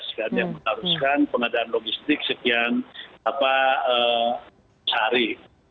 sekian yang menaruhkan pengadaan logistik sekian sehari